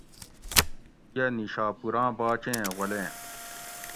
یہ نیشا پور آں باچیں غلیم